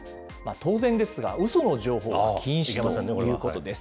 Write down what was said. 当然ですが、うその情報は禁止ということです。